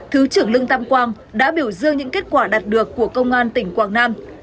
thứ trưởng lương tam quang đã biểu dương những kết quả đạt được của công an tỉnh quảng nam